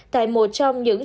tại một trong những trường hợp